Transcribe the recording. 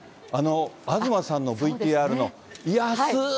東さんのＶＴＲの安ーい！